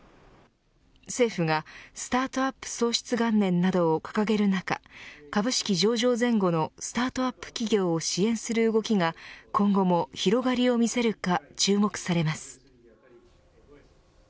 政府がスタートアップ創出元年などを掲げる中株式上場前後のスタートアップ企業を支援する動きが今後も広がりを見せるか注目されます。